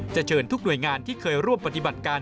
เชิญทุกหน่วยงานที่เคยร่วมปฏิบัติการ